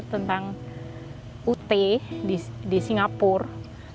tentang ut di singapura